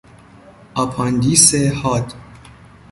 آپاندیس حاد